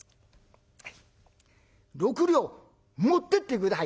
「６両持ってって下さい」。